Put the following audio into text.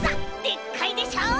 でっかいでしょう？